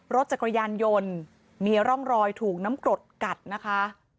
รถจักรยานยนต์มีร่องรอยถูกน้ำกรดกัดนะคะ